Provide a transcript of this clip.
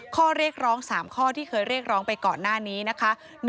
ข้อเรียกร้อง๓ข้อที่เคยเรียกร้องไปก่อนหน้านี้นะคะ